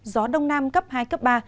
gió đông nam cấp hai cấp ba